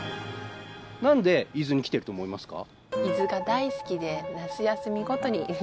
何で伊豆に来てると思いますか？